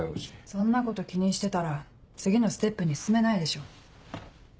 そんなこと気にしてたら次のステップに進めないでしょ。